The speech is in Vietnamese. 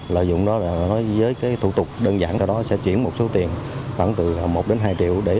lợi dụng đó là nói với cái thủ tục đơn giản sau đó sẽ chuyển một số tiền khoảng từ một đến hai triệu để